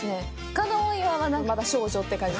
加納岩は、まだ少女って感じ。